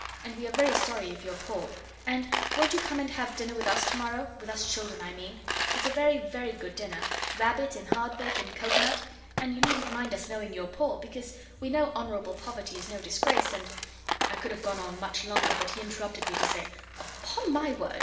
And we are very sorry if you're poor; and won't you come and have dinner with us to morrow with us children, I mean? It's a very, very good dinner rabbit, and hardbake, and coconut and you needn't mind us knowing you're poor, because we know honourable poverty is no disgrace, and ' I could have gone on much longer, but he interrupted me to say 'Upon my word!